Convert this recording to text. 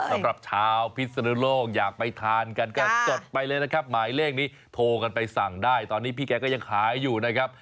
สำหรับชาวพิศนุโลกอยากไปทานกันก็จดไปเลยนะครับหมายเลขนี้โทรกันไปสั่งได้ตอนนี้พี่แกก็ยังขายอยู่นะครับ